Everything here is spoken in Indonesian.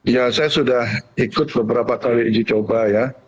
ya saya sudah ikut beberapa kali uji coba ya